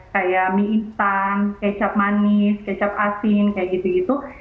kayak mie instan kecap manis kecap asin kayak gitu gitu